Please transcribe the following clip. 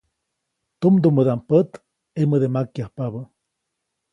Tumdumädaʼm pät ʼemäde makyajpabä.